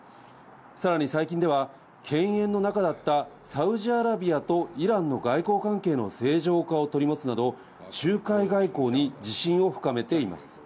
さらに最近では、犬猿の仲だったサウジアラビアとイランの外交関係の正常化を取り持つなど、仲介外交に自信を深めています。